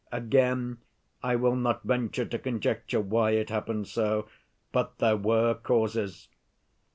Again I will not venture to conjecture why it happened so, but there were causes.